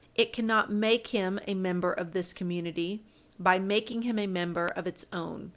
It cannot make him a member of this community by making him a member of its own.